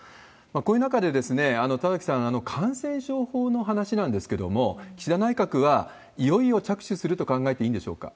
こういう中で、田崎さん、感染症法の話なんですけれども、岸田内閣はいよいよ着手すると考えていいんでしょうか？